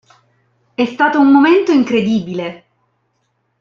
È stato un momento incredibile.